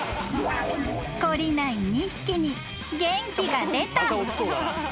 ［懲りない２匹に元気が出た］